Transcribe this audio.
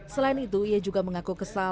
selain itu ia juga mengaku kesal